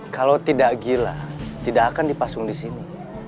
kalau tidak gila tidak akan dipasung di sini